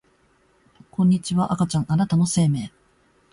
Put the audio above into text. こんにちは赤ちゃんあなたの生命